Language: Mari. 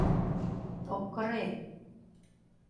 «Ок кыре»...